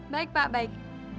baik pak baik